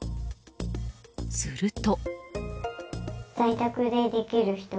すると。